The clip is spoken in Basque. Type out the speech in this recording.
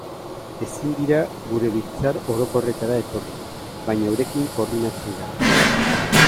Ezin dira gure biltzar orokorretara etorri, baina eurekin koordinatzen gara.